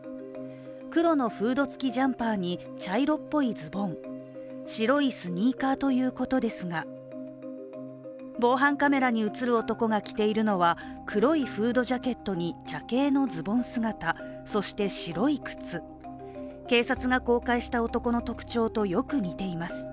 黒のフード付きジャンパーに茶色っぽいズボン、白いスニーカーということですが、防犯カメラに映る男が着ているのは黒いフードジャケットに茶系のズボン姿、そして白い靴、警察が公開した男の特徴とよく似ています。